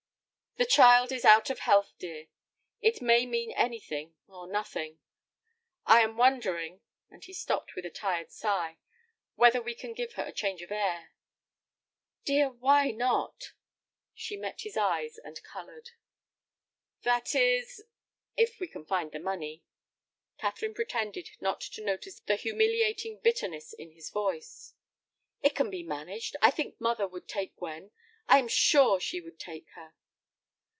"The child is out of health, dear. It may mean anything or nothing. I am wondering"—and he stopped with a tired sigh—"whether we can give her a change of air." "Dear, why not?" She met his eyes, and colored. "That is—" "If we can find the money." Catherine pretended not to notice the humiliating bitterness in his voice. "It can be managed. I think mother would take Gwen. I'm sure she would take her."